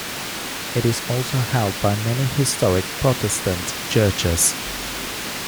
It is also held by many historic Protestant Churches.